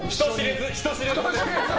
人知れず。